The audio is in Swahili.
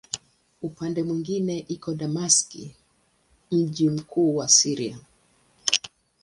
Upande mwingine iko Dameski, mji mkuu wa Syria.